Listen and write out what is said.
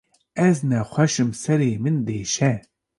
Ez nexweş im, serê min diêşe.